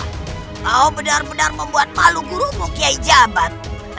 kau benar benar membuat malu burung kiai jabat